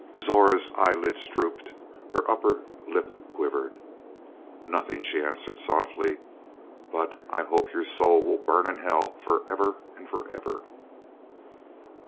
Zora's eyelids drooped, her upper lip quivered. "Nothing," she answered softly. "But I hope your soul will burn in hell forever and forever."